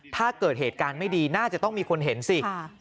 ถ้าเกิดเหตุการณ์ไม่ดีน่าจะต้องมีคนเห็นสิ